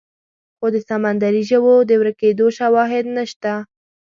خو د سمندري ژوو د ورکېدو شواهد نشته.